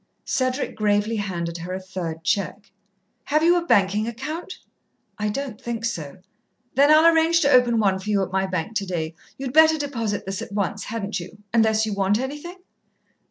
Cedric gravely handed her a third cheque. "Have you a banking account?" "I don't think so." "Then I'll arrange to open one for you at my bank today. You'd better deposit this at once, hadn't you unless you want anything?"